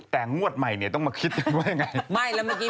แต่งวดใหม่เนี่ยต้องมาคิดว่าอย่างไร